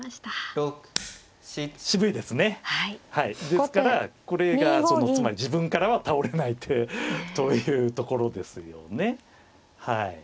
ですからこれがつまり自分からは倒れない手というところですよね。